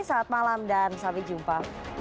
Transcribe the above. selamat malam dan sampai jumpa